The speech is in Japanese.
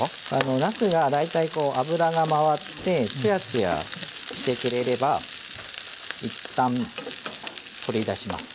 なすが大体こう油が回ってツヤツヤしてくれればいったん取り出します。